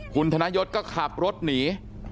คุณธนยศก็ขับรถหนี